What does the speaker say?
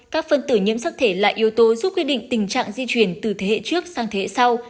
các phân tử nhiễm sắc thể là yếu tố giúp quyết định tình trạng di chuyển từ thế hệ trước sang thế hệ sau